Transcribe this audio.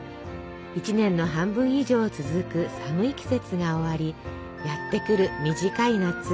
１年の半分以上続く寒い季節が終わりやって来る短い夏。